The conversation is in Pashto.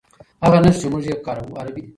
هغه نښې چې موږ یې کاروو عربي دي.